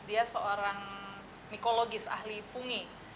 dia seorang mikologis ahli fungi